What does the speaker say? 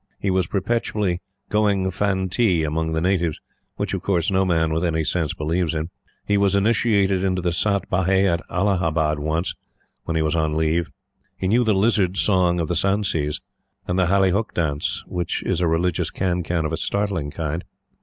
He was perpetually "going Fantee" among the natives, which, of course, no man with any sense believes in. He was initiated into the Sat Bhai at Allahabad once, when he was on leave; he knew the Lizard Song of the Sansis, and the Halli Hukk dance, which is a religious can can of a startling kind.